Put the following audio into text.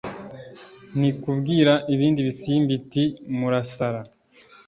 ni kubwira ibindi bisimba iti «murasara.